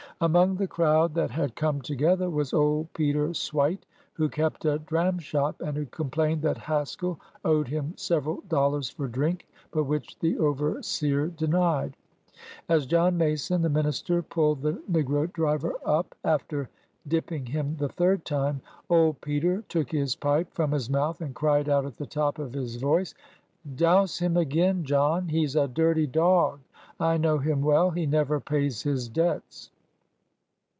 Among the crowd that had come together was old Peter Swite, who kept a dram shop, and who complained that Has kell owed him several dollars for drink, but which the overseer denied. As John Mason, the minister, pulled the negro driver up, after dipping him the third time, old Peter took his pipe from his mouth, and cried out, at the top of his voice, "Douce him again, John! He 's a dirty dog ; I know him well ; he never pays his debts.